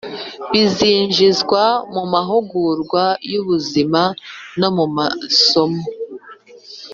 bizinjizwa mu mahugurwa y'ubuzima no mu masomo